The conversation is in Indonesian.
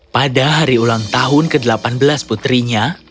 pada hari ulang tahun ke delapan belas putrinya